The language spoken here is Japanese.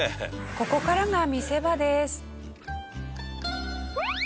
ここからが見せ場です。